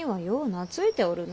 懐いておるの。